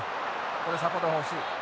ここでサポートが欲しい。